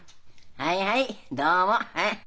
はいはいどうもはい。